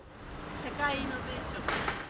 社会イノベーションです。